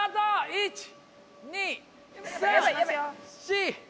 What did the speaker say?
１・２・３・４。